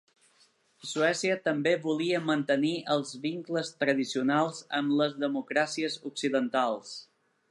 Suècia també volia mantenir els vincles tradicionals amb les democràcies occidentals.